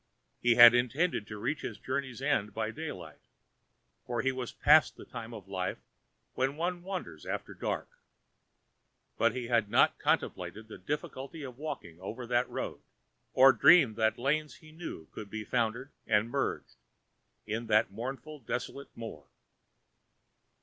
He had intended to reach his journey's end by daylight, for he was past the time of life when one wanders after dark, but he had not contemplated the difficulty of walking over that road, or dreamed that lanes he knew could be so foundered and merged, in that mournful desolate moor.